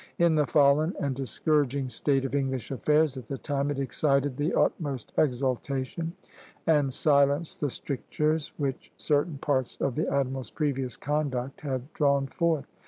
In the fallen and discouraging state of English affairs at the time, it excited the utmost exultation, and silenced the strictures which certain parts of the admiral's previous conduct had drawn forth.